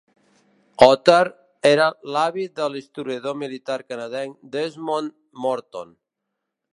Otter era l"avi de l"historiador militar canadenc Desmond Morton.